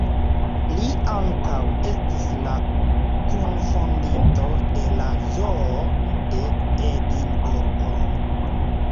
Li ankaŭ estis la kunfondinto de la zoo de Edinburgo.